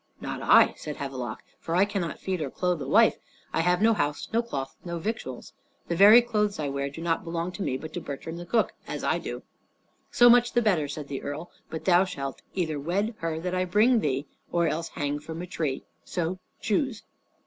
"Not I," said Havelok; "for I cannot feed nor clothe a wife. I have no house, no cloth, no victuals. The very clothes I wear do not belong to me, but to Bertram the cook, as I do." "So much the better," said the earl; "but thou shalt either wed her that I shall bring thee, or else hang from a tree. So choose."